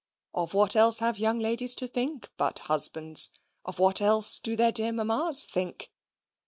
Of what else have young ladies to think, but husbands? Of what else do their dear mammas think?